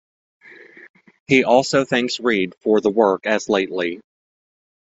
He also thanks Reed for the work as lately.